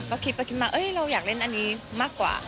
ก็คิดก็คิดมาเราอยากเล่นอันนี้มากกว่า